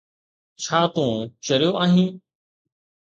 ڇا تون چريو آهين؟